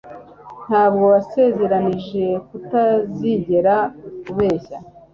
Ntabwo wasezeranije kutazigera ubeshya?